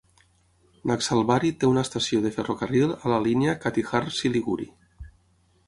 Naxalbari té una estació de ferrocarril a la línia Katihar-Siliguri.